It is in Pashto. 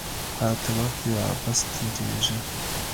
پاته وخت يي عبث تيريږي.